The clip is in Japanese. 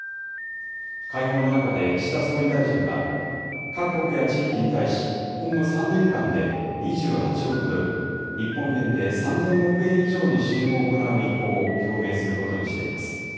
会合の中で、岸田総理大臣は各国や地域に対し、今後３年間で２８億ドル、日本円で３０００億円以上の支援を行う意向を表明することにしています。